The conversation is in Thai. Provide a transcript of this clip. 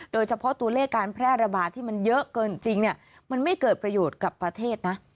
โดยเฉพาะตัวเลขการแพร่ระบาดที่มันเยอะเกินจริงมันไม่เกิดประโยชน์กับประเทศนะ